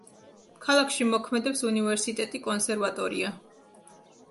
ქალაქში მოქმედებს უნივერსიტეტი, კონსერვატორია.